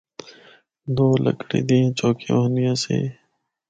دو لکڑی دیاں چوکیاں ہوندیاں سی۔